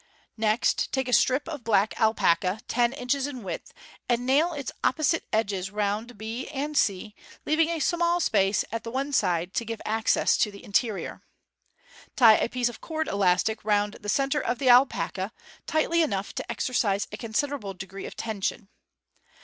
Next take a strip of black alpaca, ten inches in width, and nail its opposite edges round b and c, leaving a small space at one side to give access to the interior. Tie a piece of cord elastic round the centre of the alpaca, tightly enough to exercise a consider able degree of tension.